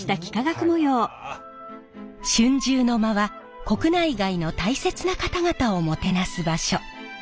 春秋の間は国内外の大切な方々をもてなす場所。